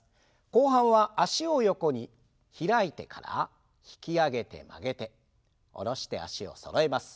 後半は脚を横に開いてから引き上げて曲げて下ろして脚をそろえます。